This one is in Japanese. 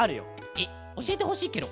えっおしえてほしいケロ！